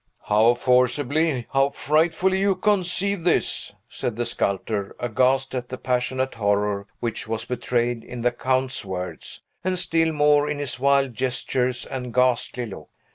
"How forcibly, how frightfully you conceive this!" said the sculptor, aghast at the passionate horror which was betrayed in the Count's words, and still more in his wild gestures and ghastly look.